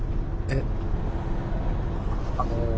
えっあの。